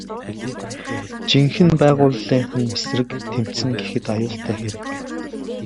Жинхэнэ байгууллынх нь эсрэг тэмцэнэ гэхэд аюултай хэрэг.